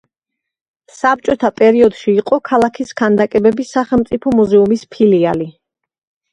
საბჭოთა პერიოდში იყო ქალაქის ქანდაკებების სახელმწიფო მუზეუმის ფილიალი.